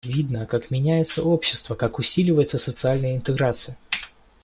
Видно, как меняется общество, как усиливается социальная интеграция.